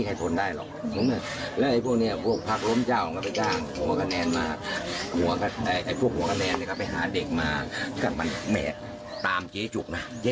แต่ที่จากบ้านทำให้เดี๋ยวร้อนทำ